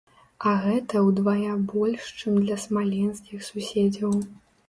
А гэта ўдвая больш, чым для смаленскіх суседзяў.